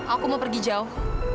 aku mau pergi jauh